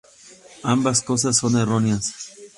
Ambas cosas son erróneas.